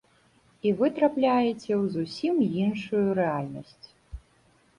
І вы трапляеце ў зусім іншую рэальнасць.